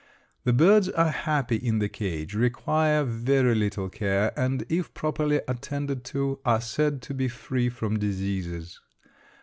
The birds are happy in the cage, require very little care, and if properly attended to are said to be free from diseases.